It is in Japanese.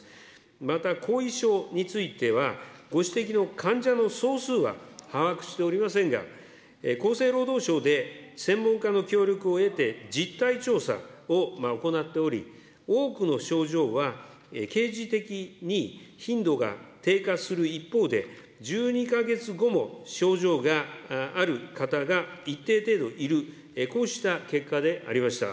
また、後遺症については、ご指摘の患者の総数は把握しておりませんが、厚生労働省で専門家の協力を得て、実態調査を行っており、多くの症状はけいじてきに頻度が低下する一方で、１２か月後も症状がある方が一定程度いる、こうした結果でありました。